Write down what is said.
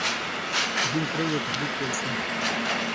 د هند پریږدئ تحریک پیل شو.